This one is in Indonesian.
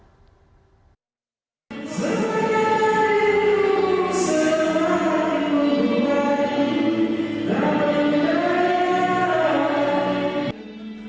riu selalu beri tangan